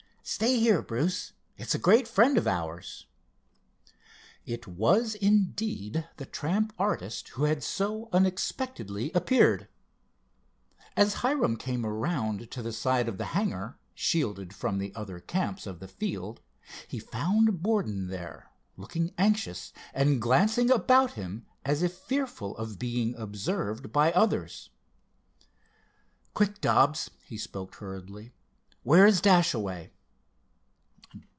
"Stay here Bruce. It's a great friend of ours." It was indeed the tramp artist who had so unexpectedly appeared. As Hiram came around to the side of the hangar, shielded from the other camps of the field, he found Borden there, looking anxious, and glancing about him as if fearful of being observed by others. "Quick, Dobbs," he spoke hurriedly, "where is Dashaway?"